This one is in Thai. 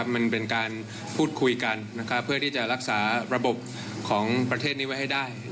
มันเป็นการพูดคุยกันเพื่อที่จะรักษาระบบของประเทศนี้ไว้ให้ได้